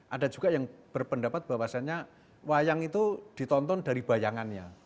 ada juga yang berpendapat bahwasannya wayang itu ditonton dari bayangannya